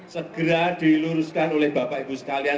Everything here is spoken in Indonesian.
segera diluruskan oleh bapak ibu sekalian